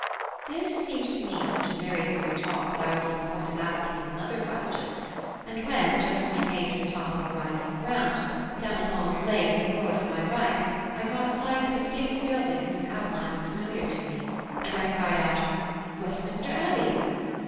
This seemed to me such very queer talk that I was on the point of asking him another question; when just as we came to the top of a rising ground, down a long glade of the wood on my right I caught sight of a stately building whose outline was familiar to me, and I cried out, "Westminster Abbey!"